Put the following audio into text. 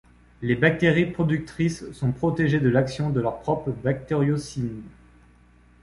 Les bactéries productrices sont protégées de l'action de leurs propres bactériocines.